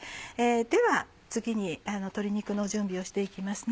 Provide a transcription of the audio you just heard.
では次に鶏肉の準備をして行きます。